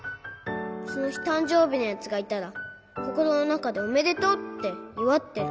そのひたんじょうびのやつがいたらココロのなかでおめでとうっていわってる。